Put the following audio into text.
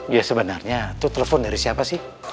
ya sebenarnya itu telepon dari siapa sih